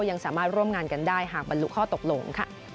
ยังสามารถร่วมงานกันได้หากบรรลุข้อตกลงค่ะ